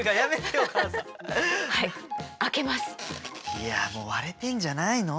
いやもう割れてんじゃないの？